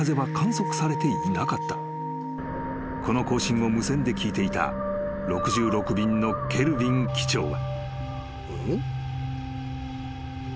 ［この交信を無線で聞いていた６６便のケルヴィン機長は］